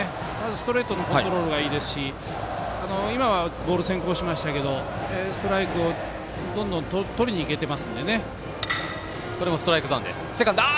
ストレートのコントロールがいいですしボール先行しましたけどストライクをどんどん取りにいけてますので。